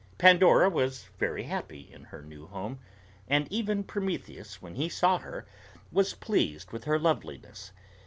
Pandora was very happy in her new home; and even Prometheus, when he saw her, was pleased with her loveliness.